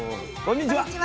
こんにちは。